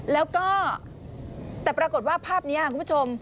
แล้วก็แต่ปรากฏว่าภาพนี้คุณผู้ชม